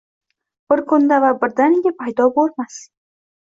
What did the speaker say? Bir kunda va birdaniga paydo bo’lmas.